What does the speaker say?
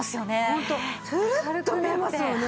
ホントツルッと見えますよね。